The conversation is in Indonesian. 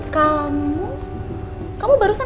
kamu kamu barusan